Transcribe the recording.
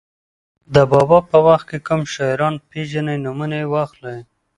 د بابا په وخت کې کوم شاعران پېژنئ نومونه یې واخلئ.